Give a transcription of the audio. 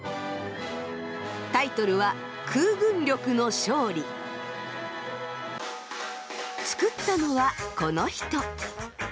タイトルは作ったのはこの人。